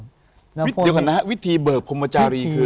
เดี๋ยวกันนะวิธีเบลอภพมจารี